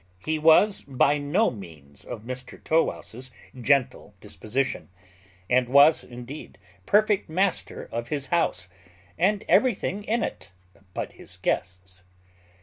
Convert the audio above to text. He was by no means of Mr Tow wouse's gentle disposition; and was, indeed, perfect master of his house, and everything in it but his guests.